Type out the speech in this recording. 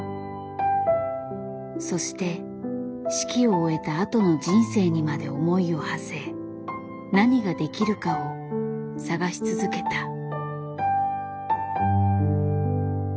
そして式を終えたあとの人生にまで思いをはせ何ができるかを探し続けた。